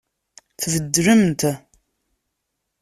Tbeddlemt.